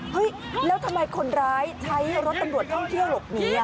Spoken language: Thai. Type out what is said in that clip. เฮ้ยแล้วทำไมคนร้ายใช้รถตำรวจท่องเที่ยวหลบหนี